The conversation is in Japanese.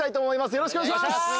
よろしくお願いします。